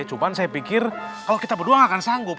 cuma saya pikir kalau kita berdua gak akan sanggup